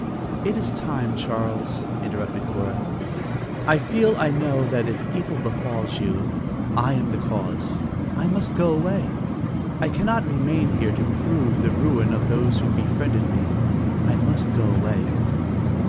"It is time, Charles," interrupted Cora. "I feel, I know that if evil befalls you, I am the cause. I must go away. I cannot remain here to prove the ruin of those who befriended me. I must go away."